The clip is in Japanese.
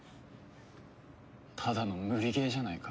ただの無理ゲーじゃないか。